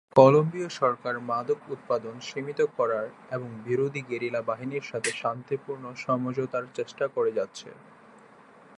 কলম্বীয় সরকার মাদক উৎপাদন সীমিত করার এবং বিরোধী গেরিলা বাহিনীর সাথে শান্তিপূর্ণ সমঝোতার চেষ্টা করে যাচ্ছে।